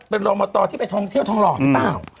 เป็นรอมตที่ไปท่องเที่ยวทองหล่อหรือเปล่า